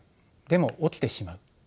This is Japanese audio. でも起きてしまう。